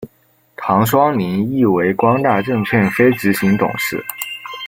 唐双宁亦为光大证券非执行董事。